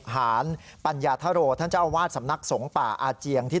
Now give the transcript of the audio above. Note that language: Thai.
ทีนี้อย่างที่บอกเรื่องนี้เป็นเรื่องใหญ่